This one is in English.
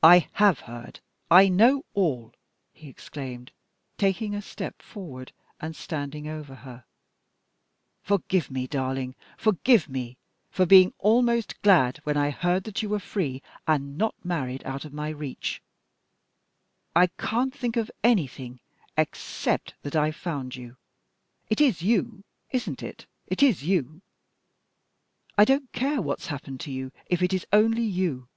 "I have heard, I know all," he exclaimed, taking a step forward and standing over her. "Forgive me, darling! forgive me for being almost glad when I heard that you were free, and not married out of my reach. I can't think of anything except that I've found you. It is you, isn't it? It is you. I don't care what's happened to you, if it is only you."